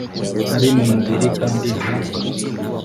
ari mu mubiri kandi nta